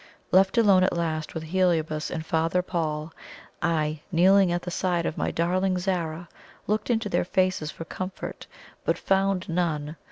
Left alone at last with Heliobas and Father Paul, I, kneeling at the side of my darling Zara, looked into their faces for comfort, but found none.